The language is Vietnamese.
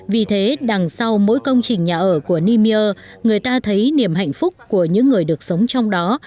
vì thế đằng sau mỗi công trình nhà ở của nimier người ta thấy niềm hạnh phúc của những người được sống trong đó